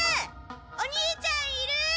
お兄ちゃんいる？